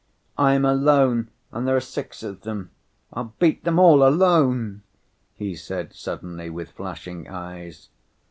"I am alone, and there are six of them. I'll beat them all, alone!" he said suddenly, with flashing eyes.